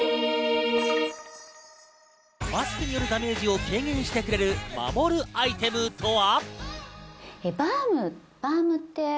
マスクによるダメージを軽減してくれる、守るアイテムとは？